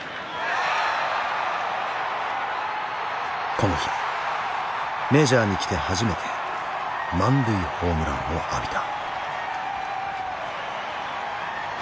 この日メジャーに来て初めて満塁ホームランを浴びた。